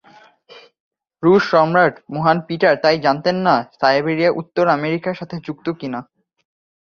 রুশ সম্রাট মহান পিটার তাই জানতেন না সাইবেরিয়া উত্তর আমেরিকার সাথে যুক্ত কি না।